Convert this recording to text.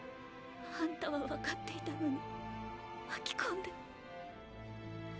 あんたはわかっていたのに巻き込んで。